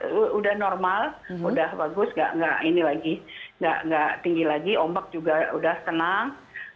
sudah normal sudah bagus enggak tinggi lagi ombak juga sudah tenang